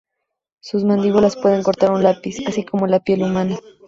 Sus mandíbulas pueden cortar un lápiz, así como la piel humana.